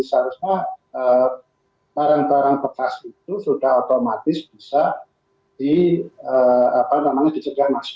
seharusnya barang barang bekas itu sudah otomatis bisa dicegah masuk